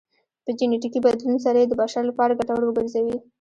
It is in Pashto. په جنیټیکي بدلون سره یې د بشر لپاره ګټور وګرځوي